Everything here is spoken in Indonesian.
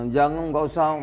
jangan enggak usah